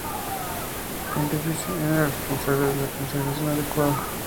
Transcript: El pontífice era el responsable de la consagración adecuada.